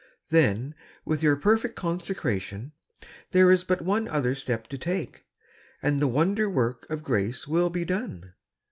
"Then, with your perfect consecration, there is but one other step to take, and the wonder work of grace will be done.